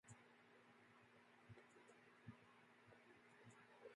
Morillo then turned around and punched him in the face.